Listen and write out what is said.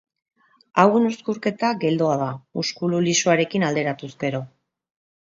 Hauen uzkurketa geldoa da, muskulu lisoarekin alderatuz gero.